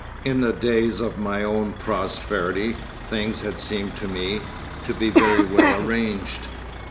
In the days of my own prosperity things had seemed to me to be very well arranged.